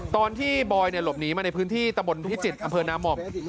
ตอนที่บอยหลบหนีมาในพื้นที่ตะบนพิจิตรอำเภอนาม่อม